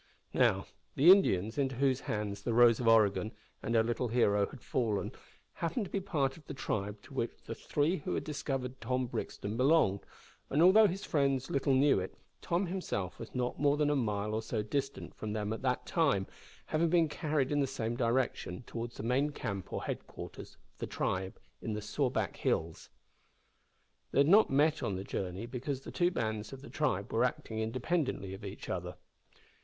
Now, the Indians, into whose hands the Rose of Oregon and our little hero had fallen, happened to be part of the tribe to which the three who had discovered Tom Brixton belonged, and although his friends little knew it, Tom himself was not more than a mile or so distant from them at the time, having been carried in the same direction, towards the main camp or headquarters of the tribe in the Sawback Hills. They had not met on the journey, because the two bands of the tribe were acting independently of each other.